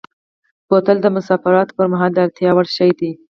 بوتل د مسافرت پر مهال د اړتیا وړ شی دی.